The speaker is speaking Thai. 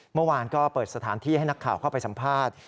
เมื่อวานก็เปิดสถานที่ให้นักข่าวเข้าไปสัมภาษณ์